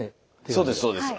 そうですそうです。